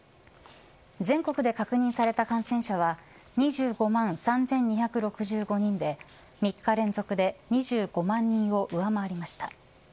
全国で確認された感染者は２５万３２６５人で３日連続で２５万人を上回りました。